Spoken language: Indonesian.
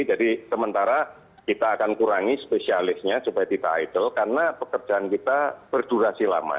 jadi sementara kita akan kurangi spesialisnya supaya kita idle karena pekerjaan kita berdurasi lama